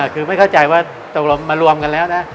คือไม่เข้าใจว่าตกลงมารวมกันแล้วนะ